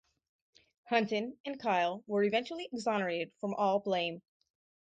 Hunton and Kyle were eventually exonerated from all blame.